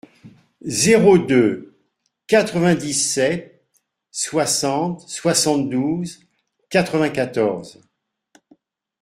Zéro deux quatre-vingt-dix-sept soixante soixante-douze quatre-vingt-quatorze.